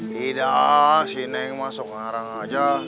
tidak si neng masuk ngarang aja